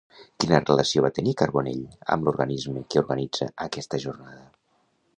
Quina relació va tenir Carbonell amb l'organisme que organitza aquesta jornada?